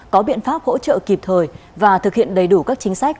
có biện pháp hỗ trợ kịp thời và thực hiện đầy đủ các chính sách